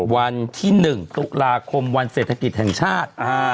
วันที่๑ตุลาคมวันเศรษฐกิจแห่งชาติ